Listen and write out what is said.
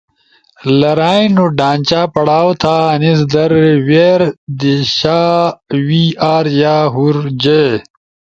لرائی نو ڈھانچہ پڑاؤ تھا آنیز در we, re دی شا we are یا ہُور جے۔